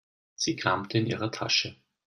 Sie kramte in ihrer Tasche.